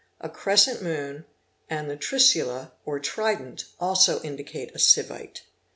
A crescent moon and the ¢trisula or trident also — indicate a Sivite.